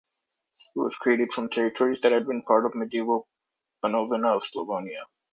It was created from territories that had been part of medieval Banovina of Slavonia.